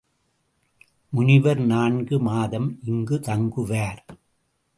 முனிவர் நான்கு மாதம் இங்குத் தங்குவார்.